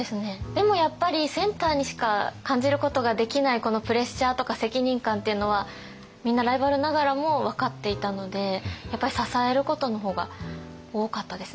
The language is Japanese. でもやっぱりセンターにしか感じることができないこのプレッシャーとか責任感っていうのはみんなライバルながらも分かっていたのでやっぱり支えることの方が多かったですね。